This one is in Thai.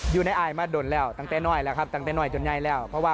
อยู่ในอายมาดนแล้วตั้งแต่น้อยแล้วครับตั้งแต่น้อยจนใหญ่แล้ว